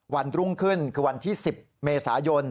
วันรุ่งขึ้นคือวันที่๑๐เมษายน